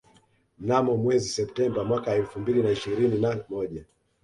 Mnamo mwezi Septemba mwaka elfu mbili na ishirini na moja